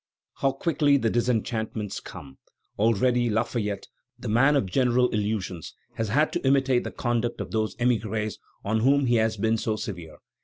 How quickly the disenchantments come! Already Lafayette, the man of generous illusions, has had to imitate the conduct of those émigrés on whom he has been so severe.